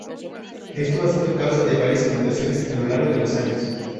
Esto ha sido causa de varias inundaciones a lo largo de los años.